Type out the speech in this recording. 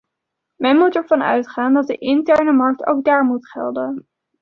Men moet ervan uitgaan dat de interne markt ook daar moet gelden.